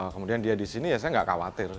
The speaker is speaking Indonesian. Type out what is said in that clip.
kemudian dia di sini saya tidak khawatir